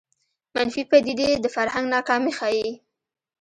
منفي پدیدې د فرهنګ ناکامي ښيي